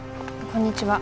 こんにちは。